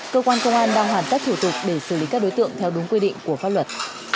cơ quan công an đang hoàn tất thủ tục để xử lý các đối tượng theo đúng quy định của pháp luật